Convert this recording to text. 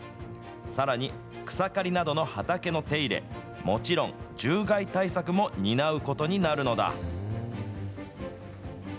さらに、草刈りなどの畑の手入れ、もちろん獣害対策も担うことになるのだ。